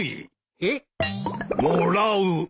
えっ！？もらう。